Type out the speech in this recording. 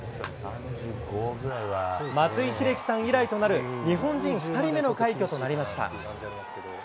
松井秀喜さん以来となる日本人２人目の快挙となりました。